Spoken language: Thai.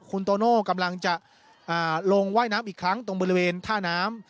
คุณโตโน่กำลังจะลงว่ายน้ำอีกครั้งตรงบริเวณท่าน้ำ